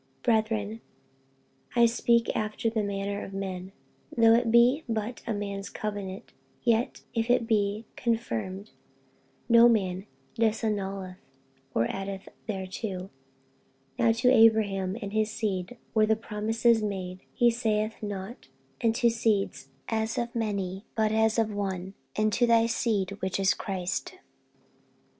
48:003:015 Brethren, I speak after the manner of men; Though it be but a man's covenant, yet if it be confirmed, no man disannulleth, or addeth thereto. 48:003:016 Now to Abraham and his seed were the promises made. He saith not, And to seeds, as of many; but as of one, And to thy seed, which is Christ.